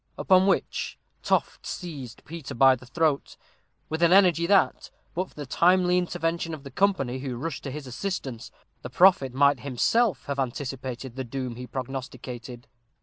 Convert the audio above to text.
Upon which, Toft seized Peter by the throat with an energy that, but for the timely intervention of the company, who rushed to his assistance, the prophet might himself have anticipated the doom he prognosticated.